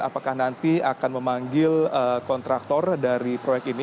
apakah nanti akan memanggil kontraktor dari proyek ini